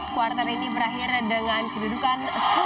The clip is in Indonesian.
kuartal ini berakhir dengan kedudukan sebelas